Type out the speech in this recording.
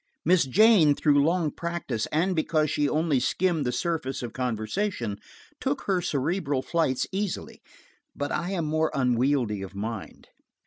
Miss Jane, through long practice, and because she only skimmed the surface of conversation, took her cerebral flights easily, but I am more unwieldy of mind.